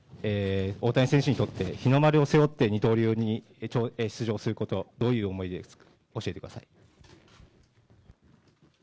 大谷選手にとって、日の丸を背負って二刀流に出場すること、どういう思いですか、教えてください。